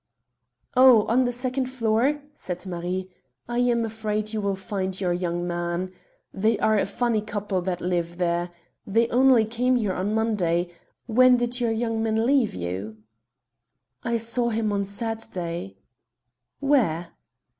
"Oh, on the second floor," said Marie, "I am afraid you will find your young man. They are a funny couple that live there. They only came here on Monday. When did your young man leave you?" "I saw him on Saturday." "Where?"